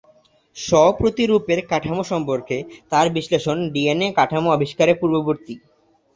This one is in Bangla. স্ব-প্রতিরূপের কাঠামো সম্পর্কে তাঁর বিশ্লেষণ ডিএনএর কাঠামো আবিষ্কারের পূর্ববর্তী।